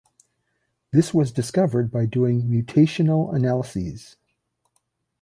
This was discovered by doing mutational analyses.